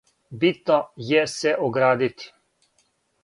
Битно је се оградити.